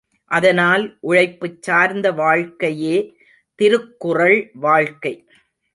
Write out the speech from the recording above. அதனால் உழைப்புச் சார்ந்த வாழ்க்கையே திருக்குறள் வாழ்க்கை.